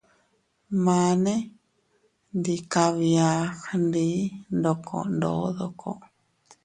Mane ndi kabia gndi ndoko ndodoko.